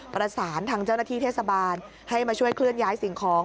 ประสานทางเจ้าหน้าที่เทศบาลให้มาช่วยเคลื่อนย้ายสิ่งของ